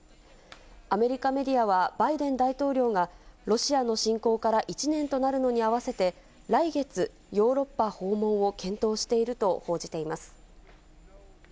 アメリカメディアは、バイデン大統領がロシアの侵攻から１年となるのに合わせて、来月よーろっぱほうもんを検討していると報じています。